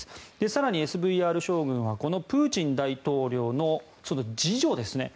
更にＳＶＲ将軍はこのプーチン大統領の次女ですね